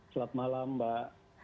selamat malam mbak